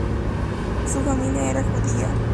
Su familia era judía.